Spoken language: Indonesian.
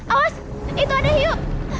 awas itu ada hiu